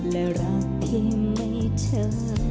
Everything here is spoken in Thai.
และรักที่ไม่เธอ